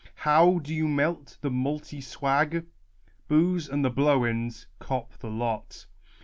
How do you melt the multy swag ? Booze and the blowens cop the lot.